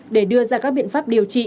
để đưa ra các biện pháp điều trị